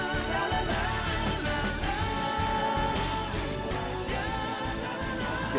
kalau emang lu ga bawa tisu kenapa lu bikin gue nanya kiki